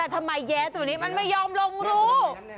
ทำไมแย้ตัวนี้มันไม่ยอมลงรู้